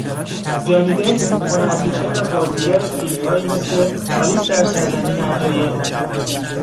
جانی دپ هنرپیشه و بازیگر فیلم هایی مثل آلیس در سرزمین عجایب